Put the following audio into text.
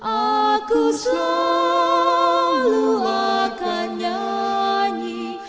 aku selalu akan nyanyi